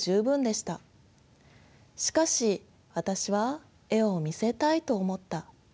しかし私は絵を見せたいと思った。